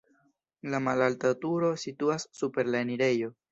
La malalta turo situas super la enirejo.